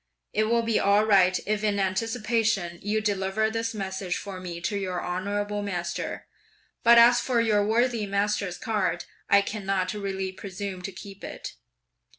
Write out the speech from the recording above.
It will be all right if in anticipation you deliver this message for me to your honourable master; but as for your worthy master's card, I cannot really presume to keep it.'